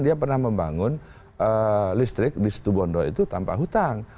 dia pernah membangun listrik di setubondo itu tanpa hutang